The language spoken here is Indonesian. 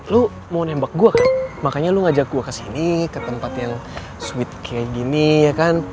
lu mau nembak gue makanya lu ngajak gue kesini ke tempat yang sweet kayak gini ya kan